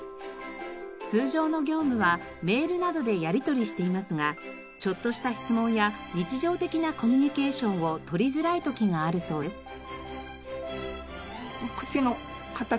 通常の業務はメールなどでやりとりしていますがちょっとした質問や日常的なコミュニケーションを取りづらい時があるそうです。